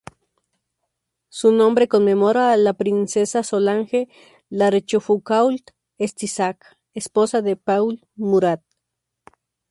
Su nombre conmemora la princesa Solange La Rochefoucauld-Estissac, esposa de Paul Murat.